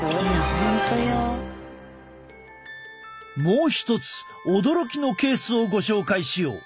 もう一つ驚きのケースをご紹介しよう。